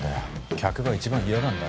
客が一番嫌がんだろ。